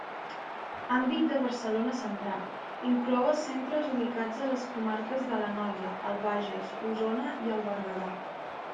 Àmbit de Barcelona Central: inclou els centres ubicats a les comarques de l'Anoia, el Bages, Osona i el Berguedà.